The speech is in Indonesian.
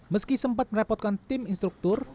meski sempat merepotkan tim instruktur